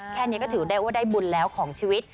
แค่นี้ก็ถือได้ว่าได้บุญแล้วของชีวิต